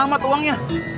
gede amat uangnya